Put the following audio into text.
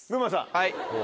はい。